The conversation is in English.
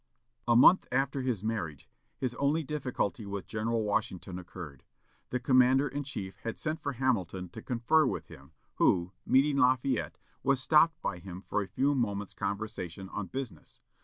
A month after his marriage, his only difficulty with General Washington occurred. The commander in chief had sent for Hamilton to confer with him, who, meeting Lafayette, was stopped by him for a few moments' conversation on business.